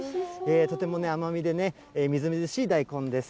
とても甘みでみずみずしい大根です。